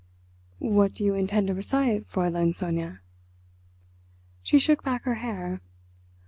"What do you intend to recite, Fräulein Sonia?" She shook back her hair.